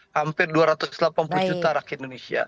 hampir dua ratus delapan puluh juta rakyat indonesia